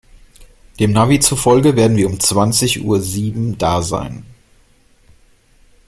Dem Navi zufolge werden wir um zwanzig Uhr sieben da sein.